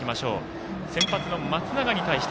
先発の松永に対して。